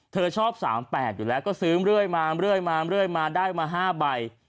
เธอชอบ๓๘อยู่แล้วก็ซื้อเรื่อยมาเรื่อยมาเรื่อยมาได้มา๕ใบ